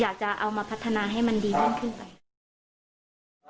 อยากจะเอามาพัฒนาให้มันดีเพิ่มขึ้นไป